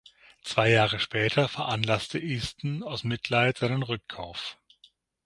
Zwei Jahre später veranlasste Easton aus Mitleid seinen Rückkauf.